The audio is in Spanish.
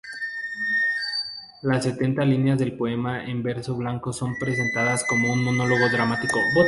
Las setenta líneas del poema en verso blanco son presentadas como un monólogo dramático.